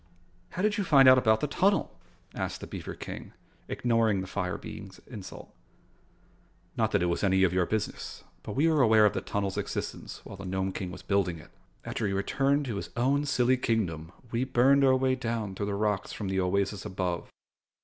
"How did you find out about the tunnel?" asked the beaver King, ignoring the fire being's insult. "Not that it is any of your business, but we were aware of the tunnel's existence while the Nome King was building it. After he returned to his own silly kingdom, we burned our way down through the rocks from the oasis above."